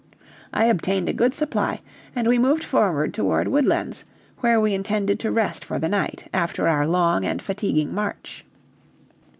I obtained a good supply, and we moved forward toward Woodlands, where we intended to rest for the night, after our long and fatiguing march.